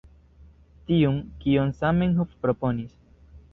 Tiun, kiun Zamenhof proponis.